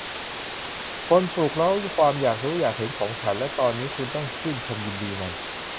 คุณปลุกเร้าความอยากรู้อยากเห็นของฉัน และตอนนี้คุณต้องชื่นชมยินดีมัน